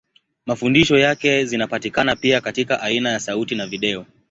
Mafundisho yake zinapatikana pia katika aina ya sauti na video.